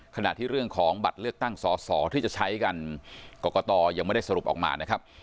ขณะที่เรื่องของบัตรเลือกตั้งสอสอที่จะใช้กันกรกตยังไม่ได้สรุปออกมานะครับ